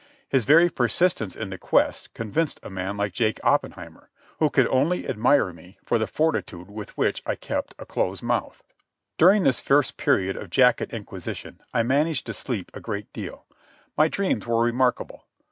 His very persistence in the quest convinced a man like Jake Oppenheimer, who could only admire me for the fortitude with which I kept a close mouth. During this first period of the jacket inquisition I managed to sleep a great deal. My dreams were remarkable.